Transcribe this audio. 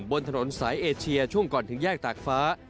บนถนนสายเอเชียช่วงก่อนถึงแยกตากฟ้า